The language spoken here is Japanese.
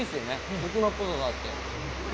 大人っぽさがあって。